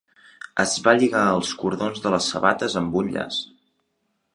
Es va lligar els cordons de les sabates amb un llaç.